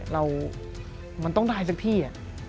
เรามันต้องได้สักที่